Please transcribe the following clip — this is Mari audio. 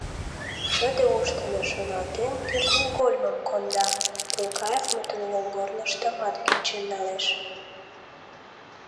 Шыде уш дене шоналтен, кӱртньыгольмым конда, Тулкаевмытын йолгорныштымат кӱнчен налеш.